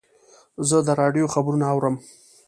زه د راډیو خبرونه اورم.